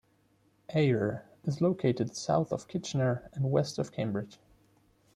Ayr is located south of Kitchener and west of Cambridge.